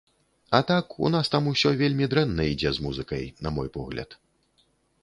А так, у нас там усё вельмі дрэнна ідзе з музыкай, на мой погляд.